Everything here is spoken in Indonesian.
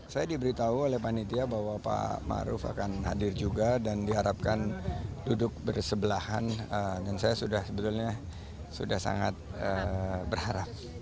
saya diberitahu oleh panitia bahwa pak ⁇ maruf ⁇ akan hadir juga dan diharapkan duduk bersebelahan dan saya sudah sebetulnya sudah sangat berharap